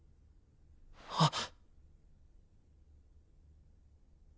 あっ。